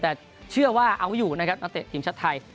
แต่เชื่อว่าเอาอยู่นะครับนักเตะทีมชาติไทย